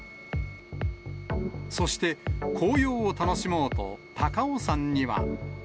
そして紅葉を楽しもうと、高尾山には。